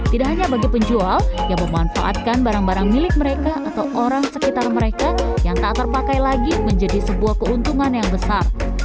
tidak hanya bagi penjual yang memanfaatkan barang barang milik mereka atau orang sekitar mereka yang tak terpakai lagi menjadi sebuah keuntungan yang besar